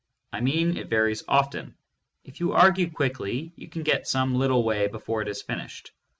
I mean it varies often. If you argue quickly, you can get some little way before it is finished.